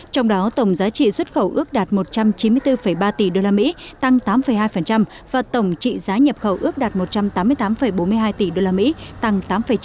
trong đó tổng giá trị xuất khẩu ước đạt một trăm chín mươi bốn ba tỷ usd tăng tám hai và tổng trị giá nhập khẩu ước đạt một trăm tám mươi tám bốn mươi hai tỷ usd tăng tám chín